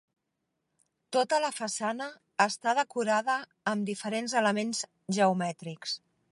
Tota la façana està decorada amb diferents elements geomètrics.